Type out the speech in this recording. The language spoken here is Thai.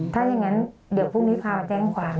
ถ้าอย่างนั้นเดี๋ยวพรุ่งนี้พามาแจ้งความ